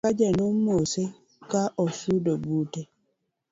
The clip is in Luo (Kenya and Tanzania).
jaduong' Sakaja nomose ka osudo bute